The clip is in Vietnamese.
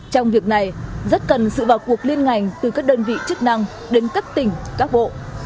trong việc này rất cần sự vào cuộc liên ngành từ các đơn vị chức năng đến các tỉnh các bộ